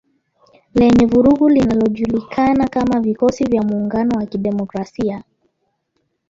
Lenye vurugu linalojulikana kama Vikosi vya Muungano wa Kidemokrasia.